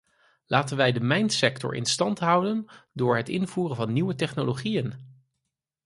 Laten wij de mijnsector in stand houden door het invoeren van nieuwe technologieën!